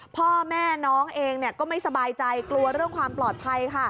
พ่อแม่น้องเองก็ไม่สบายใจกลัวเรื่องความปลอดภัยค่ะ